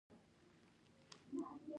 د فاریاب په کوهستان کې کوم کان دی؟